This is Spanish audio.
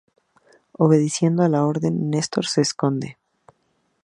Obedeciendo la orden, Nestor se esconde.